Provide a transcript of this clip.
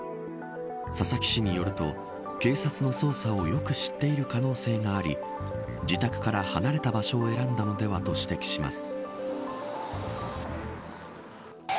佐々木氏によると警察の捜査をよく知っている可能性があり自宅から離れた場所を選んだのではと指摘します。